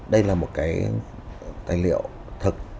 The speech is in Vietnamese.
đây là một cái tài liệu thật